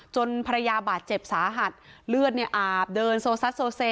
ภรรยาบาดเจ็บสาหัสเลือดเนี่ยอาบเดินโซซัสโซเซ